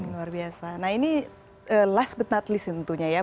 luar biasa nah ini last but not least tentunya ya